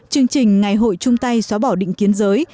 chương trình ngày hội chung tay xóa bỏ định kiến giới